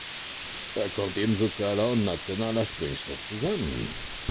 Da kommt eben sozialer und nationaler Sprengstoff zusammen.